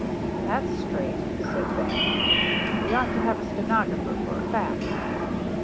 "That's straight," said Bannon. "We ought to have a stenographer for a fact."